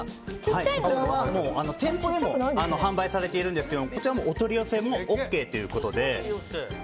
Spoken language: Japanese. こちらは店舗でも販売されていますがこちらはお取り寄せもＯＫということで。